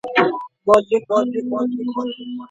په بي ضرورته او بي تدبيره تصميم کي دوی ټول متضرره کيږي.